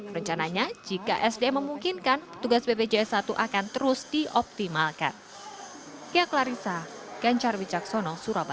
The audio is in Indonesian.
rencananya jika sd memungkinkan tugas bpjs satu akan terus dioptimalkan